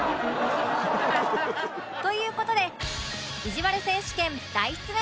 という事でいじわる選手権大出演